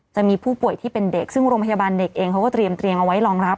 จะมีผู้ป่วยที่เป็นเด็กซึ่งโรงพยาบาลเด็กเองเขาก็เตรียมเอาไว้รองรับ